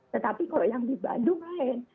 tetapi kalau yang di bandung lain